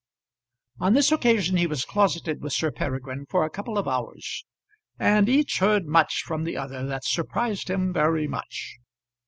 On this occasion he was closeted with Sir Peregrine for a couple of hours, and each heard much from the other that surprised him very much.